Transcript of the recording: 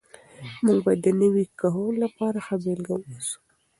موږ باید د نوي کهول لپاره ښه بېلګه واوسو.